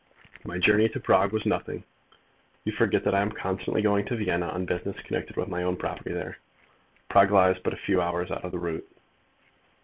My journey to Prague was nothing. You forget that I am constantly going to Vienna on business connected with my own property there. Prague lies but a few hours out of the route.